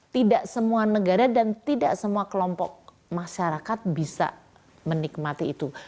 tidak semua negara dan tidak semua kelompok masyarakat bisa menikmati itu